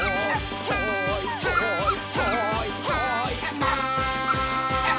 「はいはいはいはいマン」